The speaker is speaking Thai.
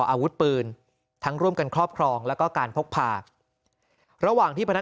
อาวุธปืนทั้งร่วมกันครอบครองแล้วก็การพกพาระหว่างที่พนัก